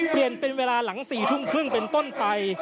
เปลี่ยนเป็นเวลาหลัง๔ทุ่มครึ่งเป็นต้นไป